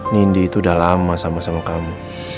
nindi itu udah lama sama sama kamu